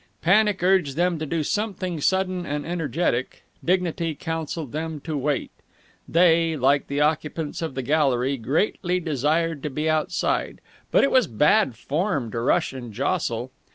Panic urged them to do something sudden and energetic; dignity counselled them to wait. They, like the occupants of the gallery, greatly desired to be outside, but it was bad form to rush and jostle.